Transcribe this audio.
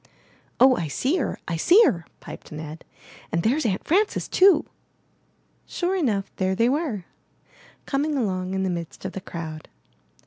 0h, I see her! I see her!'' piped Ned, *'and there's Aunt Frances too!" Sure enough! there they were, 400 IN THE NURSERY coming along in the midst of the crowd.